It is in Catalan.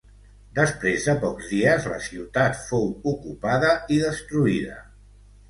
Després de pocs dies la ciutat fou ocupada i destruïda.